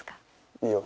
いいよ。